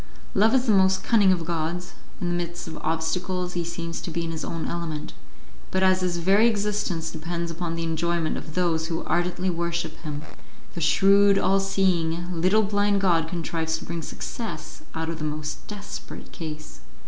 Love is the most cunning of gods; in the midst of obstacles he seems to be in his own element, but as his very existence depends upon the enjoyment of those who ardently worship him, the shrewd, all seeing, little blind god contrives to bring success out of the most desperate case.